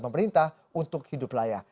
pemerintah untuk hidup layak